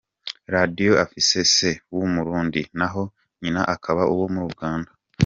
Radio afite se w’Umurundi naho nyina akaba uwo muri Uganda.